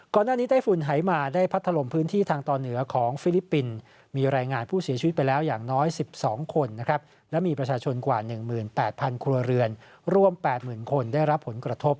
ไต้ฝุ่นหายมาได้พัดถล่มพื้นที่ทางตอนเหนือของฟิลิปปินส์มีรายงานผู้เสียชีวิตไปแล้วอย่างน้อย๑๒คนและมีประชาชนกว่า๑๘๐๐ครัวเรือนรวม๘๐๐๐คนได้รับผลกระทบ